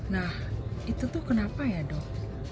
nah itu tuh kenapa ya dok